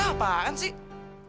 tante apaan sih